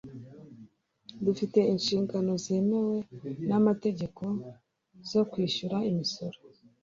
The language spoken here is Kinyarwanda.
Dufite inshingano zemewe n'amategeko zo kwishyura imisoro.